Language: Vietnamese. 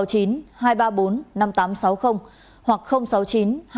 hoặc sáu mươi chín hai trăm ba mươi hai một nghìn sáu trăm sáu mươi bảy